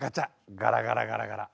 ガラガラガラガラ。